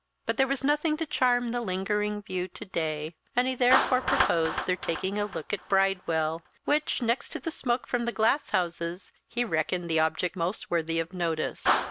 But there was nothing to charm the lingering view to day; and he therefore proposed their taking a look at Bridewell, which, next to the smoke from the glass houses, he reckoned the object most worthy of notice.